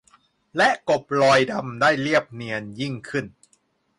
และกลบรอยดำได้เรียบเนียนยิ่งขึ้น